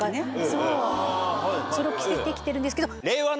それを着せて来てるんですけど。